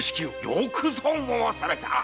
よくぞ申された！